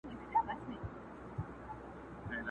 o چي کرې، هغه به رېبې!